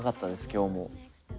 今日も。